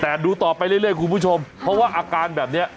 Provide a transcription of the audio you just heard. แต่ดูต่อไปเรื่อยคุณผู้ชมเพราะว่าอาการแบบนี้